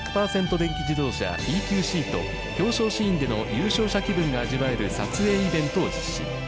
電気自動車ＥＱＣと表彰シーンでの優勝者気分が味わえる撮影イベントを実施。